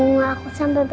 sampai aku sampai besar